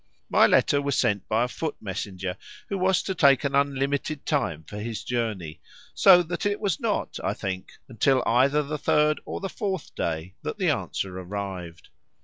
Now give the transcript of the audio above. My letter was sent by a foot messenger, who was to take an unlimited time for his journey, so that it was not, I think, until either the third or the fourth day that the answer arrived.